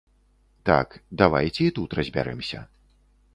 Так, давайце і тут разбярэмся.